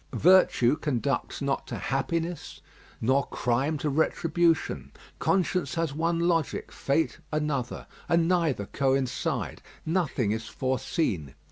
Virtue conducts not to happiness, nor crime to retribution: conscience has one logic, fate another; and neither coincide. Nothing is foreseen.